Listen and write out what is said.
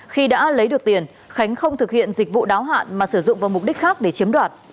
khi đã lấy được tiền khánh không thực hiện dịch vụ đáo hạn mà sử dụng vào mục đích khác để chiếm đoạt